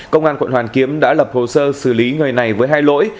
công an quận hoàn kiếm đã lập hồ sơ xử lý người này với hai lỗi